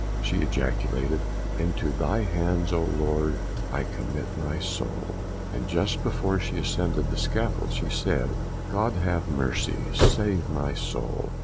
She ejaculated, "Into thy hands, oh Lord! I commit my soul;" and just before she ascended the scaffold, she said, "God have mercy, save my soul!